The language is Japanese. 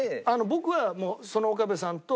僕はもうその岡部さんと。